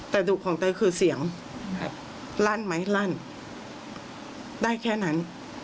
แต่ดุของเตยคือเสียงลั่นไหมลั่นได้แค่นั้น